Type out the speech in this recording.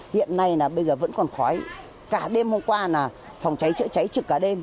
hiện nay bây giờ vẫn còn khói cả đêm hôm qua phòng cháy chữa cháy trực cả đêm